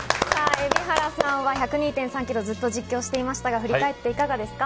蛯原さんは１０２．３キロ、ずっと実況していましたが、振り返っていかがですか。